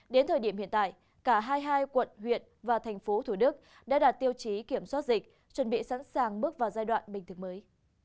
đến thời điểm hiện tại cả hai quận huyện và thành phố thủ đức đã đạt tiêu chí kiểm soát dịch chuẩn bị sẵn sàng bước vào giai đoạn bình thực mới